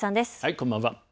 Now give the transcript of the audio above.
こんばんは。